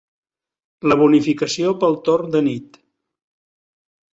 La bonificació pel torn de nit.